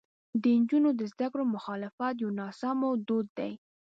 د نجونو د زده کړو مخالفت یو ناسمو دود دی.